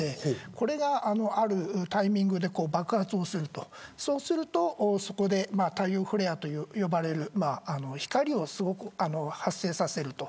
これがあるタイミングで爆発をするとそこで太陽フレアと呼ばれる光をすごく発生させると。